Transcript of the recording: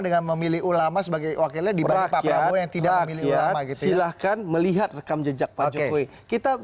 dengan memilih ulama sebagai wakilnya